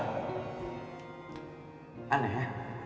ya aneh ya